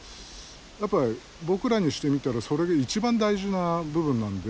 やっぱり僕らにしてみたらそれが一番大事な部分なんで。